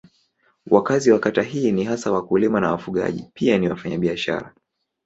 Wakazi wa kata hii ni hasa wakulima na wafugaji pia ni wafanyabiashara.